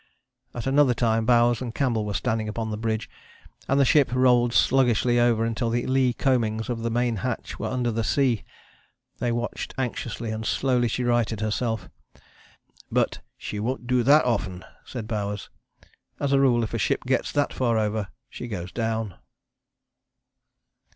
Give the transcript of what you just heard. " At another time Bowers and Campbell were standing upon the bridge, and the ship rolled sluggishly over until the lee combings of the main hatch were under the sea. They watched anxiously, and slowly she righted herself, but "she won't do that often," said Bowers. As a rule if a ship gets that far over she goes down.